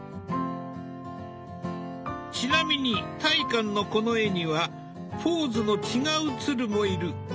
ちなみに大観のこの絵にはポーズの違う鶴もいる。